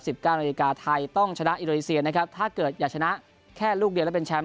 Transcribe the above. เก้านาฬิกาไทยต้องชนะอินโดนีเซียนะครับถ้าเกิดอยากชนะแค่ลูกเดียวและเป็นแชมป